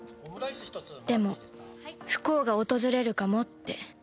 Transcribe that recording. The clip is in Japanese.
でも不幸が訪れるかもって